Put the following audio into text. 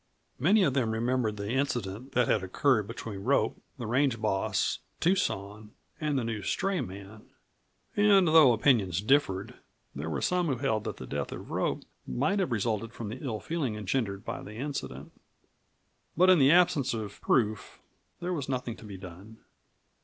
Many of them remembered the incident that had occurred between Rope, the range boss, Tucson, and the new stray man, and though opinions differed, there were some who held that the death of Rope might have resulted from the ill feeling engendered by the incident. But in the absence of proof there was nothing to be done.